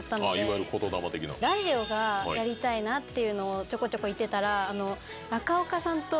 いわゆる言霊的な。っていうのをちょこちょこ言ってたら。